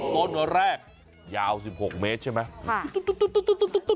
ต้นแรกยาว๑๖เมตรใช่ไหม